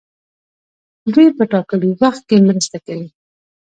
دوی په ټاکلي وخت کې مرسته کوي.